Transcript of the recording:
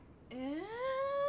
ええ。